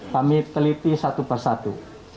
kami teliti satu persatu